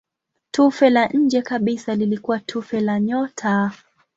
Tufe la nje kabisa lilikuwa tufe la nyota.